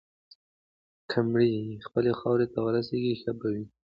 که مړی یې خپلې خاورې ته ورسیږي، ښه به وي.